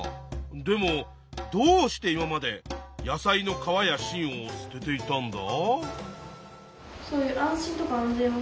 でもどうして今まで野菜の皮や芯を捨てていたんだ？